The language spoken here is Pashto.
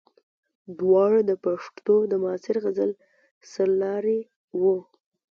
دواړه د پښتو د معاصر غزل سرلاري وو.